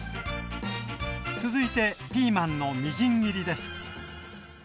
続いてピーマンのみじん切りです